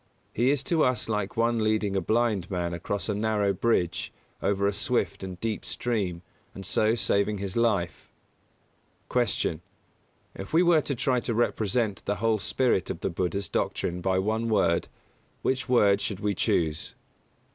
He is to us like one leading a blind man across a narrow bridge over a swift and deep stream and so saving his life. 170. Q. _If we were to try to represent the whole spirit of the Buddha's doctrine by one word, which word should we choose?